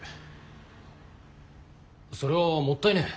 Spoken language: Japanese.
それはもったいねえ。